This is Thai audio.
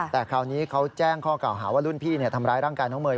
แต่คราวนี้เขาแจ้งข้อเก่าหาว่ารุ่นพี่ทำร้ายร่างกายน้องเมย์